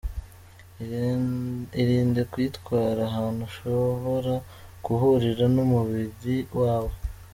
Irinde kuyitwara ahantu ishobora guhurira n’umubiri wawe.